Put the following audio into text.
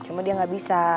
cuma dia gak bisa